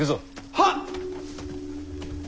はっ！